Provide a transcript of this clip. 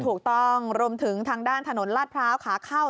รวมถึงทางด้านถนนลาดพร้าวขาเข้า